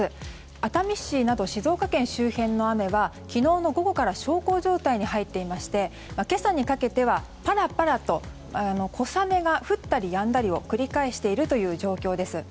熱海市など静岡県周辺の雨は昨日の午後から小康状態に入っていまして今朝にかけては、パラパラと小雨が降ったりやんだりを繰り返しているという状況です。